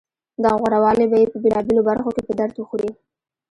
دغه غورهوالی به یې په بېلابېلو برخو کې په درد وخوري